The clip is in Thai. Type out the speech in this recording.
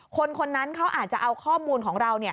คนคนนั้นเขาอาจจะเอาข้อมูลของเรา